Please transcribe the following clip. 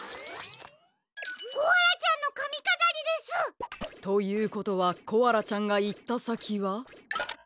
コアラちゃんのかみかざりです！ということはコアラちゃんがいったさきは？